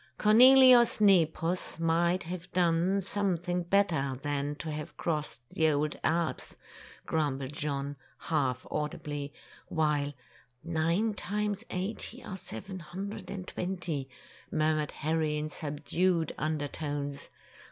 '^Cornelius Nepos might have done some thing better than to have crossed the old Alps,'" grumbled John, half audibly; while, ''Nine times eighty are seven hundred and twenty," murmured Harry in subdued under tones.